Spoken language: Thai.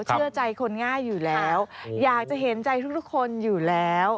เชื่อใจคนง่ายอยู่แล้วอยากจะเห็นใจทุกคนอยู่แล้ว